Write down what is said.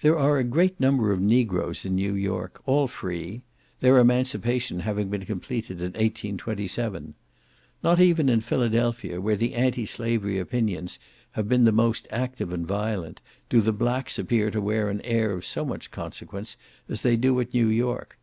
There are a great number of negroes in New York, all free; their emancipation having been completed in 1827. Not even in Philadelphia, where the anti slavery opinions have been the most active and violent, do the blacks appear to wear an air of so much consequence as they do at New York.